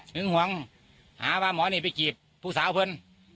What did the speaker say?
หึงหวังหาพาหมอนี่ไปกีบผู้สาวเพิ่ม